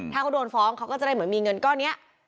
ถ้าเขาโดนฟ้องเขาก็จะได้เหมือนมีเงินก้อนนี้